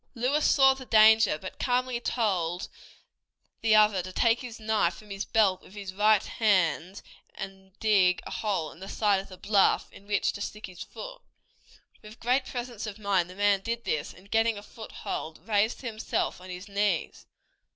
Lewis saw the danger, but calmly told the other to take his knife from his belt with his right hand, and dig a hole in the side of the bluff in which to stick his foot. With great presence of mind the man did this, and getting a foothold, raised himself on his knees.